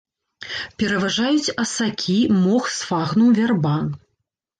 Пераважаюць асакі, мох сфагнум, вярба.